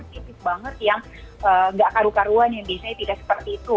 tipis banget yang nggak karu karuan yang biasanya tidak seperti itu